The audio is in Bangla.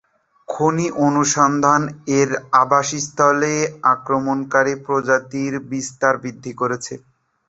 খনি অনুসন্ধান এর আবাসস্থলে আক্রমণকারী প্রজাতির বিস্তার বৃদ্ধি করেছে।